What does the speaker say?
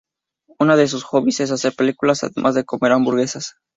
Uno de sus hobbies es hacer películas, además de comer hamburguesas.